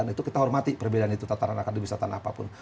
itu kita hormati perbedaan itu tataran akademis tanpa apapun